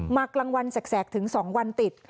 กลางวันแสกถึง๒วันติด